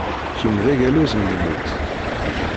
Kemm d agaluz n lmut.